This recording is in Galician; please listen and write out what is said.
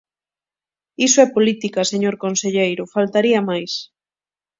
Iso é política, señor conselleiro, ¡faltaría máis!